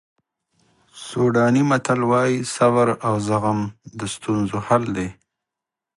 سوډاني متل وایي صبر او زغم د ستونزو حل دی.